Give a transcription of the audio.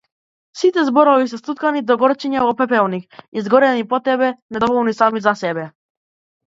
Сите зборови се стуткани догорчиња во пепелник, изгорени по тебе, недоволни сами за себе.